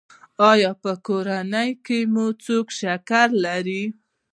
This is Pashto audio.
ایا په کورنۍ کې مو څوک شکر لري؟